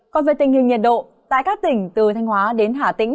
còn về tình hình nhiệt độ tại các tỉnh từ thanh hóa đến hà tĩnh